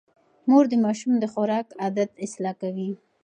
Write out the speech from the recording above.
مور د ماشوم د خوراک عادت اصلاح کوي.